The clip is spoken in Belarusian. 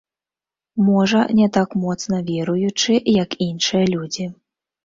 Можа, не так моцна веруючы, як іншыя людзі.